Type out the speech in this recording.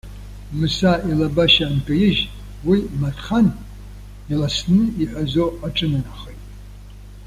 Мыса илабашьа анкаижь, уи маҭхан, иласны иҳәазо аҿынанахеит!